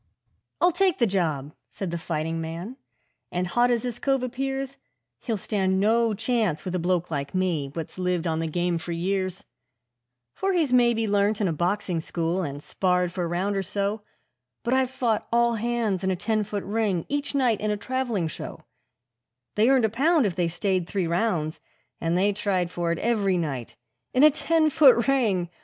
'I'll take the job,' said the fighting man; 'and hot as this cove appears, He'll stand no chance with a bloke like me, what's lived on the game for years; For he's maybe learnt in a boxing school, and sparred for a round or so, But I've fought all hands in a ten foot ring each night in a travelling show; They earned a pound if they stayed three rounds, and they tried for it every night In a ten foot ring!